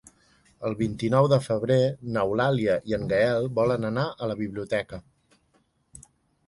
El vint-i-nou de febrer n'Eulàlia i en Gaël volen anar a la biblioteca.